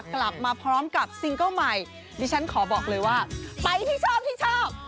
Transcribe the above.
กลับมาพร้อมกับซิงเกิ้ลใหม่ดิฉันขอบอกเลยว่าไปที่ชอบที่ชอบ